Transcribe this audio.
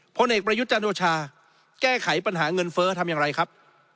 พลเอกประยุทธ์จันโอชาแก้ไขปัญหาเงินเฟ้อทำอย่างไรครับ